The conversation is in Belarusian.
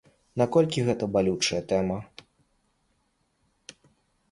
Наколькі гэта балючая тэма.